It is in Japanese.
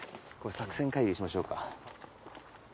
作戦会議しましょうか。